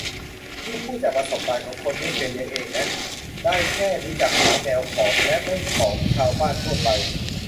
นี่พูดจากประสบการณ์ของคนไม่เคยเลี้ยงเองนะ ได้แต่รู้จักหมาแมวของและไม่ของชาวบ้านทั่วไป